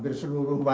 jadi sejarah saya